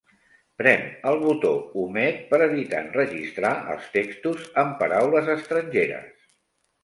Prem el botó 'omet' per evitar enregistrar els textos amb paraules estrangeres.